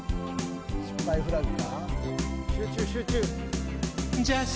失敗フラグか？